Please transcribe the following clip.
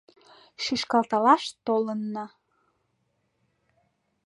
Шӱшкалталаш толынна.